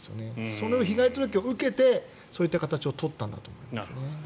その被害届を受けてそういう形を取ったんだと思います。